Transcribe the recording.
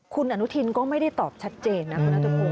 คุณอนุทินก็ไม่ได้ตอบชัดเจนนะคุณนัทพงศ